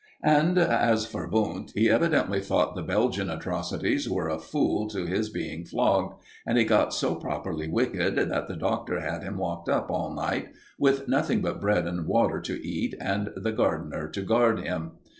And as for Wundt, he evidently thought the Belgian atrocities were a fool to his being flogged; and he got so properly wicked that the Doctor had him locked up all night, with nothing but bread and water to eat, and the gardener to guard him.